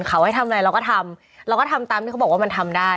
เขาให้ทำอะไรเราก็ทำเราก็ทำตามที่เขาบอกว่ามันทำได้